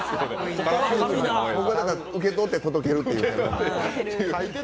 僕は受け取って届けるという。